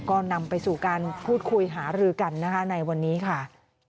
ก็นำไปสู่การพูดคุยหารือกันนะคะในวันนี้ค่ะ